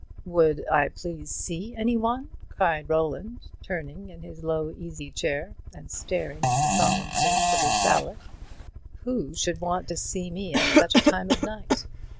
"Would I please to see any one?" cried Roland, turning in his low easy chair, and staring at the solemn face of his valet; "who should want to see me at such a time of night?